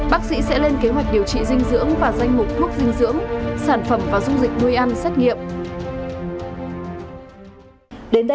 bác sĩ sẽ lên kế hoạch điều trị dinh dưỡng và danh mục thuốc dinh dưỡng sản phẩm và dung dịch nuôi ăn xét nghiệm